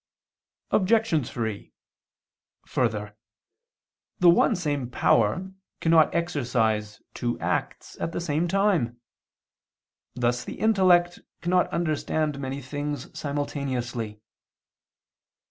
Obj. 3: Further, the one same power cannot exercise two acts at the same time; thus the intellect cannot understand many things simultaneously.